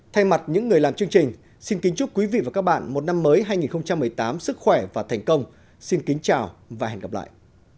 thay mặt những người làm chương trình xin kính chúc quý vị và các bạn một năm mới hai nghìn một mươi tám sức khỏe và thành công xin kính chào và hẹn gặp lại